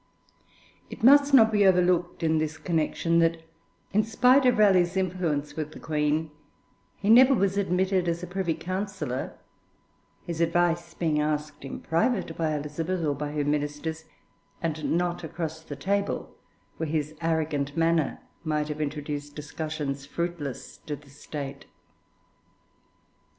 It must not be overlooked, in this connection, that in spite of Raleigh's influence with the Queen, he never was admitted as a Privy Councillor, his advice being asked in private, by Elizabeth or by her ministers, and not across the table, where his arrogant manner might have introduced discussions fruitless to the State.